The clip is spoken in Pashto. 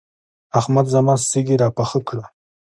احمد زما سږي راپاخه کړل.